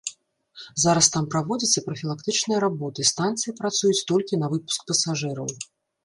Зараз там праводзяцца прафілактычныя работы, станцыі працуюць толькі на выпуск пасажыраў.